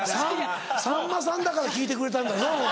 さんまさんだから聞いてくれたんだぞお前。